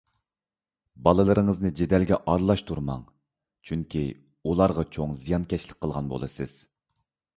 بالىلىرىڭىزنى جېدەلگە ئارىلاشتۇرماڭ! چۈنكى، ئۇلارغا چوڭ زىيانكەشلىك قىلغان بولىسىز.